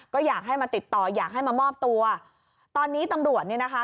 ก็อยากให้มาติดต่ออยากให้มามอบตัวตอนนี้ตำรวจเนี่ยนะคะ